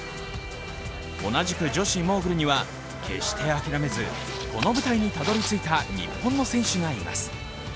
同じく除しモーグルには決して諦めずこの舞台にたどり着いた日本の選手がいます。